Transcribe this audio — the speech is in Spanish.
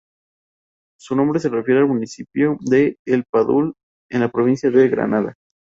Su nombre se refiere al municipio de El Padul, en la provincia de Granada.